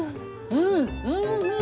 うんおいしい！